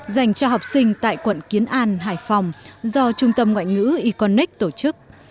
dành cho học sinh tại quận kiến an hải phòng do trung tâm ngoại ngữ econnic tổ chức